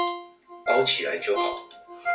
包起來就好